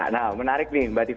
nah menarik banget